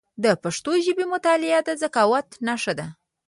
د پښتو ژبي مطالعه د ذکاوت نښه ده.